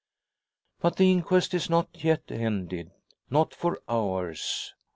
But the inquest is not yet ended not for hours.